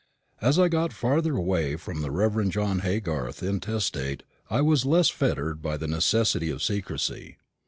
As I got farther away from the Rev. John Haygarth, intestate, I was less fettered by the necessity of secrecy.